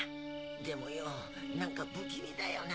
でもよぉ何か不気味だよな。